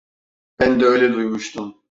Ben de öyle duymuştum.